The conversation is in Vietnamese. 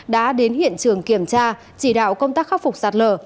đã đến hiện trường kiểm tra chỉ đạo công tác khắc phục sạt lở